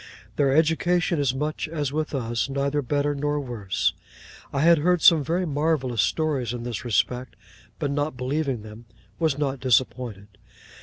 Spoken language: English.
Their education is much as with us; neither better nor worse. I had heard some very marvellous stories in this respect; but not believing them, was not disappointed.